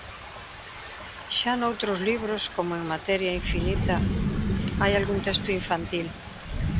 Xa noutros libros, como en "Materia infinita", hai algún texto infantil.